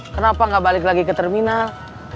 kenapa nggak balik lagi ke terminal